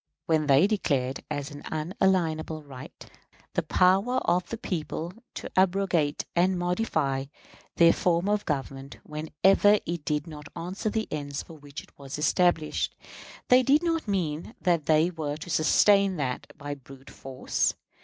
When they declared as an unalienable right the power of the people to abrogate and modify their form of government whenever it did not answer the ends for which it was established, they did not mean that they were to sustain that by brute force.